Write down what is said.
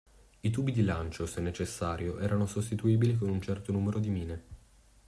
I tubi di lancio, se necessario, erano sostituibili con un certo numero di mine.